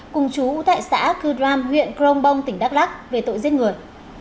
cùng chú tại xã cư đoan huyện crong bông tỉnh đắk lắc về tội giết người